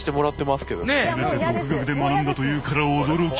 全て独学で学んだというから驚き。